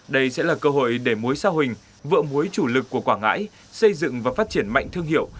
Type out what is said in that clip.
đây sẽ là cơ hội để muối sa huỳnh vợ muối chủ lực của quảng ngãi xây dựng và phát triển mạnh thương hiệu